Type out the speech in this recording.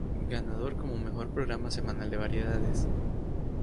Ganador como mejor programa semanal de variedades.